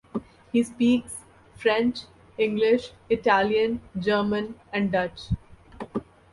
He speaks French, English, Italian, German and Dutch.